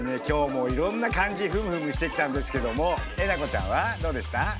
今日もいろんな漢字ふむふむしてきたんですけどもえなこちゃんはどうでした？